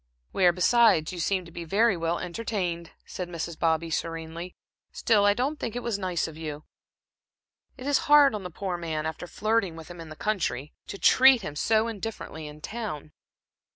"Where, besides, you seemed to be very well entertained," said Mrs. Bobby, serenely. "Still, I don't think it was nice of you. It is hard on the poor man, after flirting with him in the country, to treat him so indifferently in town."